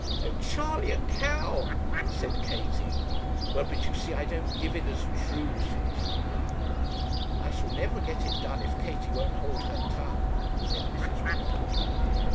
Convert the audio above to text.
'Oh, Charley, a cow!' said Katie. 'Well, but you see I don't give it as true,' said Charley. 'I shall never get it done if Katie won't hold her tongue,' said Mrs. Woodward.